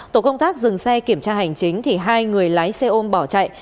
tổ công tác dừng xe kiểm tra hành chính thì hai người lái xe ôm bỏ chạy